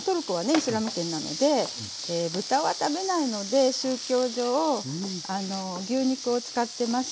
イスラム圏なので豚は食べないので宗教上牛肉を使ってます。